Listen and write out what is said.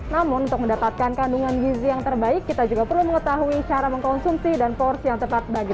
namun untuk mendapatkan kandungan gizi yang terbaik kita juga perlu mengetahui cara mengkonsumsi dan porsi yang tepat